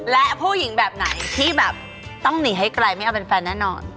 และผู้หญิงแบบไหนที่แบบต้องหนีให้ไกลไม่เอาเป็นแฟนแน่นอน